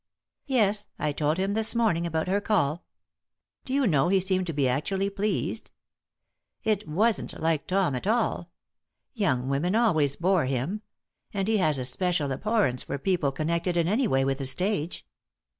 "Yes; I told him this morning about her call. Do you know, he seemed to be actually pleased. It wasn't like Tom at all. Young women always bore him. And he has a special abhorrence for people connected in any way with the stage."